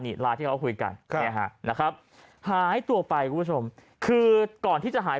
นี่ไลน์ที่เขาคุยกันนะครับหายตัวไปคุณผู้ชมคือก่อนที่จะหาย